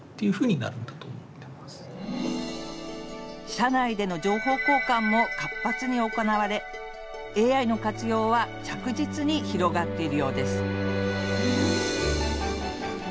社内での情報交換も活発に行われ、ＡＩの活用は着実に広がっているようです